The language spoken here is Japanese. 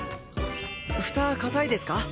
フタ固いですか？